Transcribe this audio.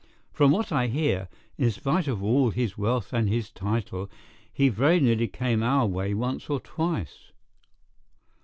From what I hear, in spite of all his wealth and his title, he very nearly came our way once or twice.